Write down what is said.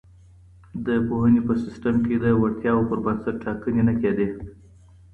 د پوهنې په سیسټم کي د وړتیاوو پر بنسټ ټاکنې نه کيدې.